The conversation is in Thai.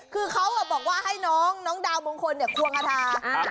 คือเขาบอกว่าให้น้องน้องดาวมงคลควงอาทารักษณ์